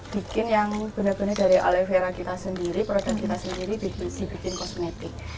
bikin yang benar benar dari aloe vera kita sendiri produk kita sendiri dibuat kosmetik